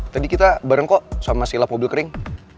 tadi kita bareng kok sama si lap mobil kering